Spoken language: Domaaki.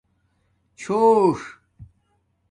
چھوݽ